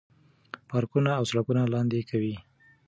پارکونه او سړکونه لاندې کوي.